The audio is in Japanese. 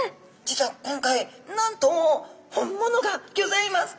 実は今回なんと本物がギョざいます！